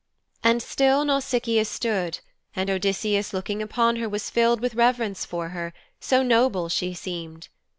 And still Nausicaa stood, and Odysseus looking upon her was filled with reverence for her, so noble she seemed.